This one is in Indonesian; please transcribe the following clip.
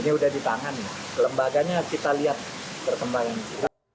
ini sudah di tangan lembaganya kita lihat perkembangannya